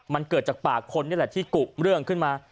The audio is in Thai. มันเกิดจากปากคนนี่แหละที่กุเรื่องขึ้นมา